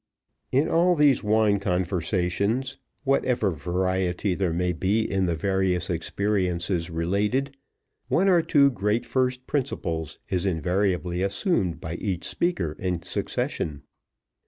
In all these wine conversations, whatever variety there may be in the various experiences related, one of two great first principles is invariably assumed by each speaker in succession.